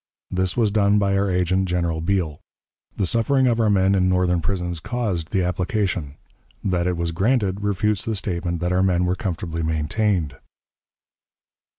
This was done by our agent, General Beale. The suffering of our men in Northern prisons caused the application; that it was granted, refutes the statement that our men were comfortably maintained.